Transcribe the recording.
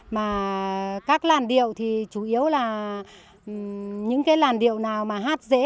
mà các làn điệu thì chủ yếu là những cái làn điệu nào mà hát dễ